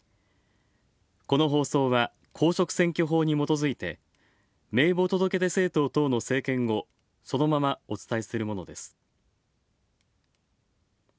この放送は公職選挙法にもとづいて名簿届出政党等の政見をそのままお伝えするものです。